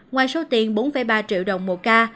ngoài số tiền bốn ba triệu đồng mỗi ca